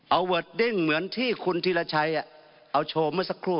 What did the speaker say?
เอาเวิร์ดดเด้งเหมือนที่คุณธีรชัยเอาโชว์เมื่อสักครู่